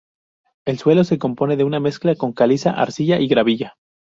El suelo se compone de una mezcla con caliza, arcilla y gravilla.